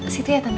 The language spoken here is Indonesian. situ ya tante